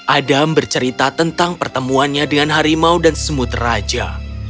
adam bercerita tentang pertemuannya dengan harimau dan semut raja